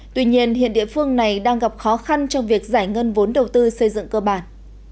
tuy nhiên hiện địa phương này đang gặp khó khăn trong việc giải ngân vốn đầu tư xây dựng cơ bản